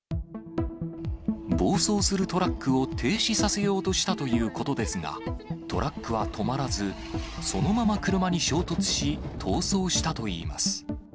暴走するトラックを停止させようとしたということですが、トラックは止まらず、そのまま車に衝突し、逃走したといいます。